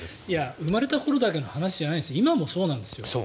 生まれた頃だけの話じゃないです、今もそうなんですよ。